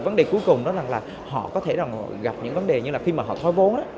vấn đề cuối cùng đó là họ có thể gặp những vấn đề như khi họ thói vốn